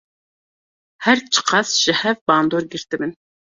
Her çi qas ji hev bandor girtibin.